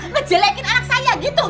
ngejelekin anak saya gitu